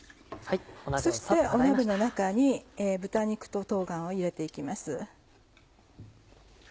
そして鍋の中に豚肉と冬瓜を入れて行きます。